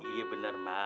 iya bener mak